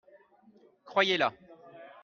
Croyez-la.